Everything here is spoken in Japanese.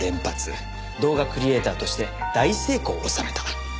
動画クリエイターとして大成功を収めた。